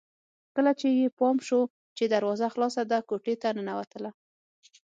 کله چې يې پام شو چې دروازه خلاصه ده کوټې ته ننوتله